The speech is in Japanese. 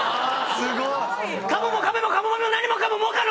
すごい！